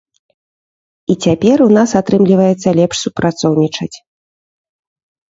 І цяпер у нас атрымліваецца лепш супрацоўнічаць.